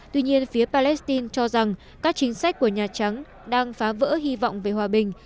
tuy nhiên phía palestine cho rằng các chính sách của nhà trắng đang phá vỡ hy vọng về hòa bình